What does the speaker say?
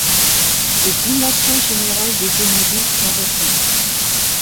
Les dimensions générales des deux mobiles s'en ressentent.